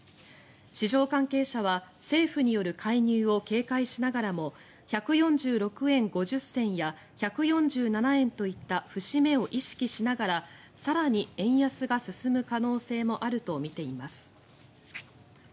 市場関係者は政府による介入を警戒しながらも１４６円５０銭や１４７円といった節目を意識しながら更に円安が進む可能性もあるとみています。